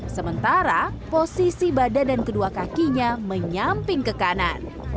sementara posisi badan dan kedua kakinya menyamping ke kanan